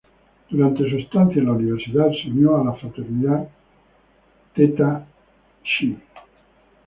Durante su estancia en la universidad, se unió a la fraternidad "Theta Xi".